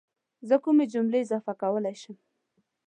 زه کومې جملې اضافه کولی شم؟